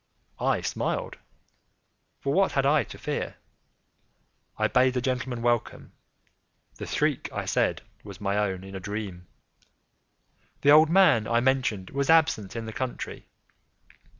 I smiled,—for what had I to fear? I bade the gentlemen welcome. The shriek, I said, was my own in a dream. The old man, I mentioned, was absent in the country.